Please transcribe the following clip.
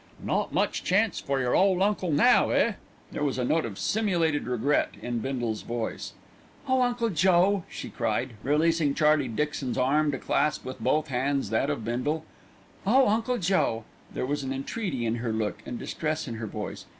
"Not much chance for your ole uncle now, eh?" There was a note of simulated regret in Bindle's voice. "Oh, Uncle Joe!" she cried, releasing Charlie Dixon's arm to clasp with both hands that of Bindle. "Oh, Uncle Joe!" There was entreaty in her look and distress in her voice.